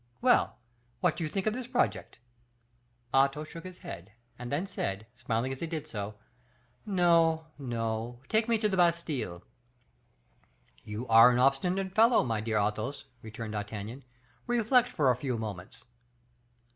Well, what do you think of this project?" Athos shook his head, and then said, smiling as he did so, "No, no, take me to the Bastile." "You are an obstinate fellow, my dear Athos," returned D'Artagnan, "reflect for a few moments."